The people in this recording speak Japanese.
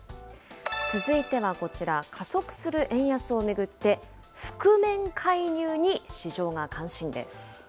続いてはこちら、加速する円安を巡って、覆面介入に市場が関心です。